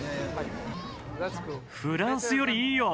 フランスよりいいよ。